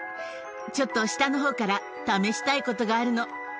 ちょっと下のほうから試したいことがあるの。